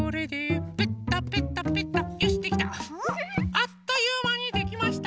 あっというまにできました。